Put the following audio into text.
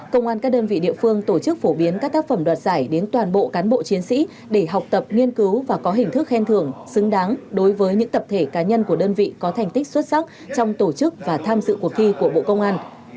công an các đơn vị địa phương tổ chức phổ biến các tác phẩm đoạt giải đến toàn bộ cán bộ chiến sĩ để học tập nghiên cứu và có hình thức khen thưởng xứng đáng đối với những tập thể cá nhân của đơn vị có thành tích xuất sắc trong tổ chức và tham dự cuộc thi của bộ công an